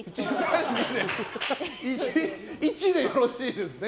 １でよろしいですか。